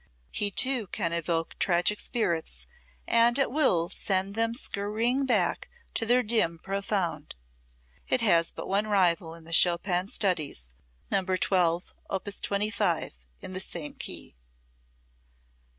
He, too, can evoke tragic spirits, and at will send them scurrying back to their dim profound. It has but one rival in the Chopin studies No. 12, op. 25, in the same key.